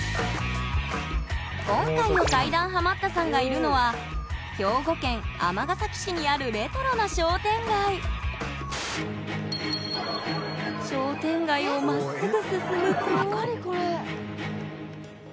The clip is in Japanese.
今回の怪談ハマったさんがいるのは兵庫県・尼崎市にあるレトロな商店街商店街を何これ！